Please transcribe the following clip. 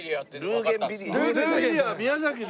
ブーゲンビリアは宮崎の。